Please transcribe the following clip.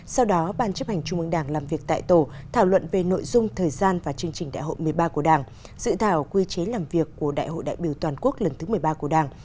sau đó ban chấp hành trung ương đảng làm việc tại tổ thảo luận về nội dung thời gian và chương trình đại hội một mươi ba của đảng dự thảo quy chế làm việc của đại hội đại biểu toàn quốc lần thứ một mươi ba của đảng